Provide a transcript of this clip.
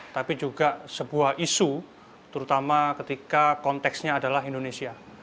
tapi juga sebuah isu terutama ketika konteksnya adalah indonesia